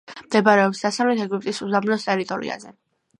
მდებარეობს დასავლეთ ეგვიპტის უდაბნოს ტერიტორიაზე.